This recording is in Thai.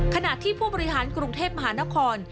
ขณะที่ผู้บริหารกรุงเทพมหานคร